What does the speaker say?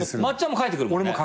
まっちゃんも書いてくるもんね。